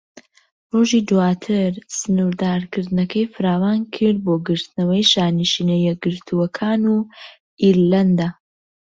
ڕۆژی دواتر، سنوردارکردنەکەی فراوانکرد بۆ گرتنەوەی شانشینە یەکگرتووەکان و ئیرلەندا.